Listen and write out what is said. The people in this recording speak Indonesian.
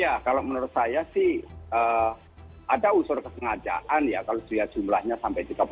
ya kalau menurut saya sih ada unsur kesengajaan ya kalau dilihat jumlahnya sampai tiga puluh